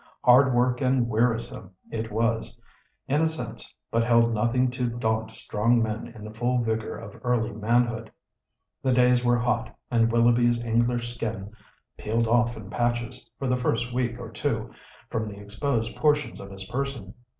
Hard work and wearisome it was, in a sense, but held nothing to daunt strong men in the full vigour of early manhood. The days were hot, and Willoughby's English skin peeled off in patches for the first week or two from the exposed portions of his person.